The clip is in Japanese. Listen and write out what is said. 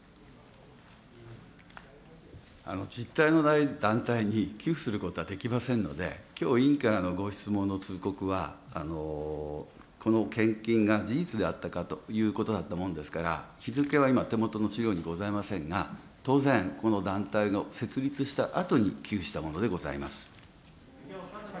実体のない団体に寄付することはできませんので、きょう、委員からのご質問の通告はこの献金が事実であったかということだったもんですから、日付は今、手元の資料にございませんが、当然、この団体の設立したあとに寄付したものでございます。